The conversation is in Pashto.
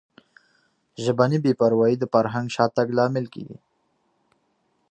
ژبني بې پروایي د فرهنګي شاتګ لامل کیږي.